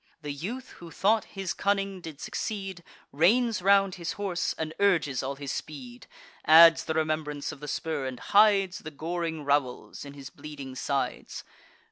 The youth, who thought his cunning did succeed, Reins round his horse, and urges all his speed; Adds the remembrance of the spur, and hides The goring rowels in his bleeding sides.